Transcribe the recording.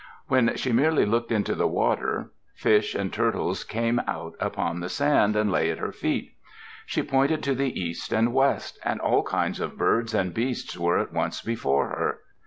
When she merely looked into the water, fish and turtles came out upon the sand and lay at her feet. She pointed to the east and west, and all kinds of birds and beasts were at once before her.